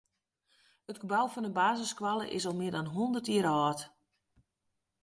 It gebou fan de basisskoalle is al mear as hûndert jier âld.